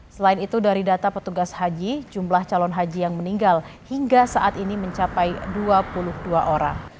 selain itu dari data petugas haji jumlah calon haji yang meninggal hingga saat ini mencapai dua puluh dua orang